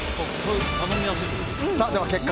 頼みやすいってことかな。